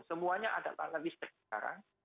semuanya ada tarif listrik sekarang